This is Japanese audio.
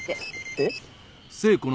えっ？